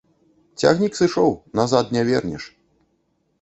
Цягнік сышоў, назад не вернеш.